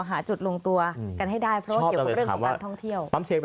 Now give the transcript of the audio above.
หาจุดลงตัวกันให้ได้เพราะว่าเกี่ยวกับเรื่องของการท้องเที่ยวชอบแล้วแต่ถามว่า